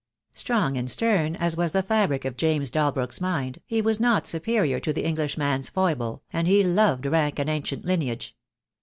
Strong and stern as was the fabric of James Dalbrook's mind, he was not superior to the Englishman's foible, and he loved rank and ancient lineage.